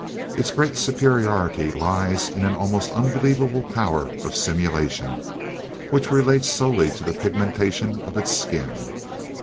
Its great superiority lies in an almost unbelievable power of simulation, which relates solely to the pigmentation of its skin.